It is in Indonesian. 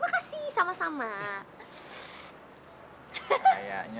oke terus shin